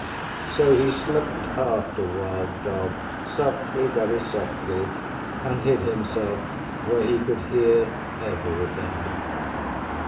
So he slipped after Wild Dog softly, very softly, and hid himself where he could hear everything.